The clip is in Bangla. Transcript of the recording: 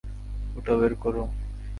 ওটা বের করো।